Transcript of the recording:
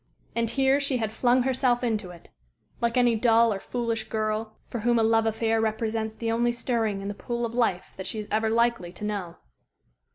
And here she had flung herself into it, like any dull or foolish girl for whom a love affair represents the only stirring in the pool of life that she is ever likely to know.